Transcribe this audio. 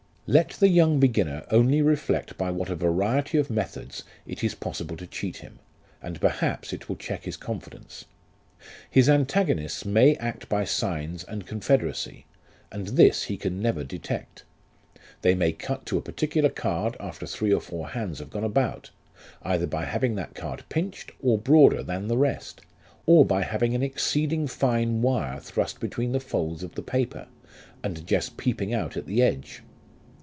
" Let the young beginner only reflect by what a variety of methods it is possible to cheat him, and perhaps it will check his confidence. His antagonists may act by signs and confederacy, and this he can never detect ; they may cut to a particular card after three or four hands have gone about, either by having that card pinched, or broader than the rest, or by having an exceeding fine wire thrust between the folds of the paper, and just peeping out at the edge.